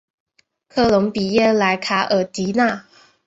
科隆比耶莱卡尔迪纳。